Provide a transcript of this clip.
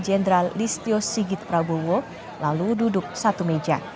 jenderal listio sigit prabowo lalu duduk satu meja